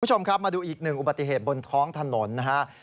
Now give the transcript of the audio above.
คุณผู้ชมครับมาดูอีกหนึ่งอุบัติเหตุบนท้องถนนนะครับ